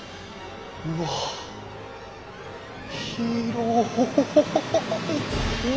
うわ広い！